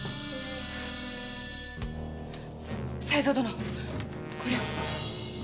才三殿これを。